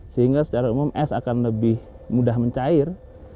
sehingga secara umum es akan lebih mudah mencair